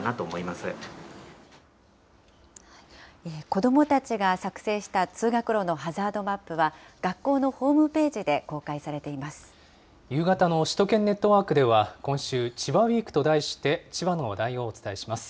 子どもたちが作成した通学路のハザードマップは、学校のホー夕方の首都圏ネットワークでは、今週、千葉ウイークと題して、千葉の話題をお伝えします。